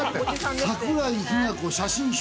桜井日奈子写真集